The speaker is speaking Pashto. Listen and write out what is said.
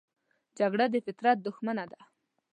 جګړه د فطرت دښمنه ده